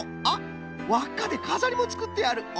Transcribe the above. あっわっかでかざりもつくってある。